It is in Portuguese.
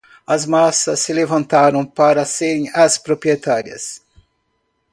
As massas se levantaram para serem as proprietárias